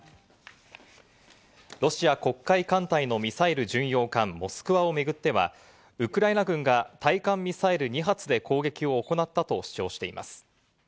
ロシア黒海艦隊のミサイル巡洋艦「モスクワ」をめぐっては、ウクライナ軍が対艦ミサイル２発で攻撃を行ったと主張しています。